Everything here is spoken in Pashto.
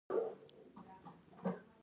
په لندن کې صادروونکي سوداګر موجود وو.